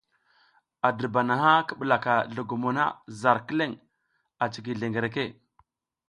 A dirbana ki ɓulaka zlogomo na zar kileŋ a ciki zlengereke.